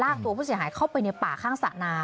ตัวผู้เสียหายเข้าไปในป่าข้างสระนา